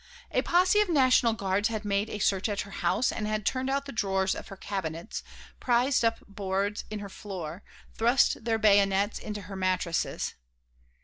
A posse of National Guards had made a search at her house, had turned out the drawers of her cabinets, prised up boards in her floor, thrust their bayonets into her mattresses.